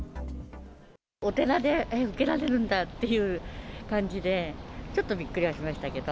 お寺で受けられるんだっていう感じで、ちょっとびっくりはしましたけど。